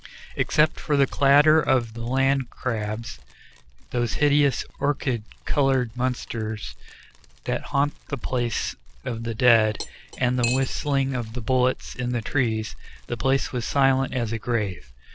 Except for the clatter of the land crabs, those hideous orchid colored monsters that haunt the places of the dead, and the whistling of the bullets in the trees, the place was as silent as a grave.